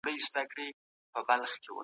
حق ویل د پوهې لومړنی شرط دی.